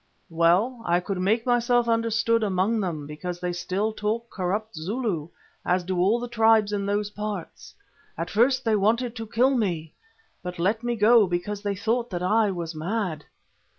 "Well, I could make myself understood among them because they still talk a corrupt Zulu, as do all the tribes in those parts. At first they wanted to kill me, but let me go because they thought that I was mad.